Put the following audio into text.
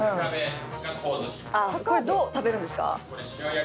これどう食べるんですか？